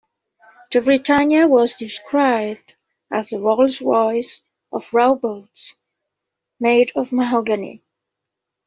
The Britannia was described as the Rolls-Royce of rowboats, made of mahogany.